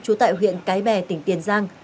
chú tại huyện cái bè tỉnh tiền giang